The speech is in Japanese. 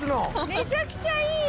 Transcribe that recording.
めちゃくちゃいい！